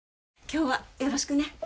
今日はよろしくね。